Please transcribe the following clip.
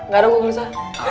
gak bisa lah